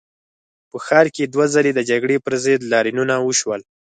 په ښار کې دوه ځلي د جګړې پر ضد لاریونونه وشول.